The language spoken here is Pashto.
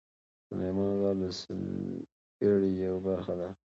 سلیمان غر د سیلګرۍ یوه برخه ده.